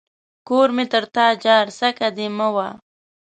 کور مې تر تا جار ، څکه دي مه وه.